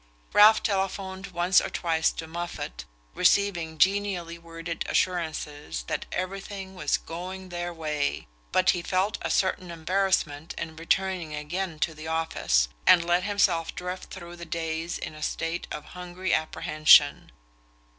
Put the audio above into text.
Ralph telephoned once or twice to Moffatt, receiving genially worded assurances that everything was "going their way"; but he felt a certain embarrassment in returning again to the office, and let himself drift through the days in a state of hungry apprehension.